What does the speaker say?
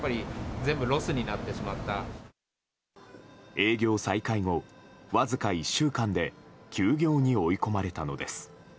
営業再開後、わずか１週間で休業に追い込まれたのです。